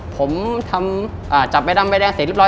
ผมทำจำป้ายด้ำป้ายแดงเสียรับร้อย